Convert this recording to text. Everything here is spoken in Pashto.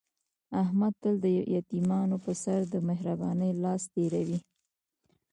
احمد تل د یتیمانو په سر د مهر بانۍ لاس تېروي.